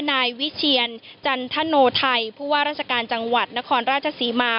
นายวิเชียรจันทโนไทยผู้ว่าราชการจังหวัดนครราชศรีมา